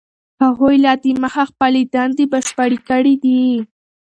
هغوی لا دمخه خپلې دندې بشپړې کړي دي.